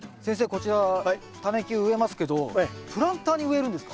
こちらタネ球植えますけどプランターに植えるんですか？